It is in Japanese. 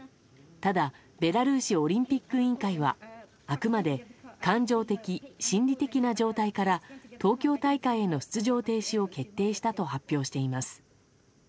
ただベラルーシオリンピック委員会はあくまで感情的・心理的な状態から東京大会への出場停止を決定したと発表しています。